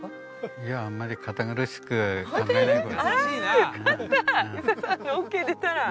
いやあんまり堅苦しく考えない方があ！